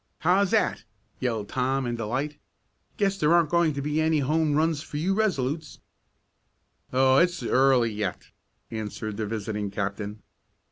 "How's that?" yelled Tom in delight. "Guess there aren't going to be any home runs for you Resolutes." "Oh, it's early yet," answered the visiting captain.